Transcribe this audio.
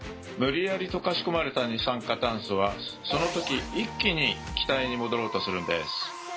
無理やり溶かし込まれた二酸化炭素はその時一気に気体に戻ろうとするんです。